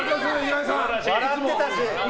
笑ってたし。